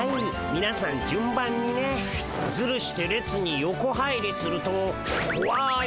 みなさん順番にね。ズルして列に横入りするとこわい